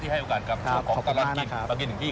ที่ให้โอกาสกับชวนของตลอดกินมากินถึงพี่